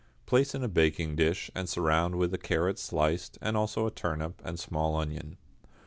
Place in a baking dish, and surround with a carrot sliced, and also a turnip and small onion.